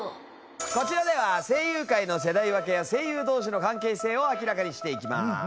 こちらでは声優界の世代分けや声優同士の関係性を明らかにしていきます。